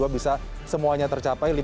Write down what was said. bisa semuanya tercapai